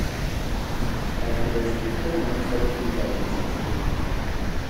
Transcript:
And provincial governor started to reside in Jinju.